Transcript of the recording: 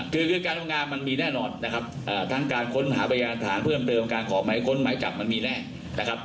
คือการทำงานมันมีแน่นอนนะครับทั้งการค้นหาพยานฐานเพิ่มเติมการขอหมายค้นหมายจับมันมีแน่นะครับ